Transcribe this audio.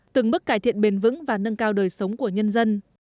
từng bước cải thiện bền vững và nâng cao đời sống của nhân dân